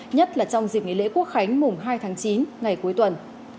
nhất là trong dịp nghỉ lễ quốc khánh mùng hai tháng chín ngày cuối tuần